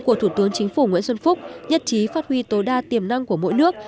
của thủ tướng chính phủ nguyễn xuân phúc nhất trí phát huy tối đa tiềm năng của mỗi nước